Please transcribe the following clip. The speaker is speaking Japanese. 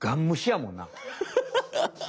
ハハハハ！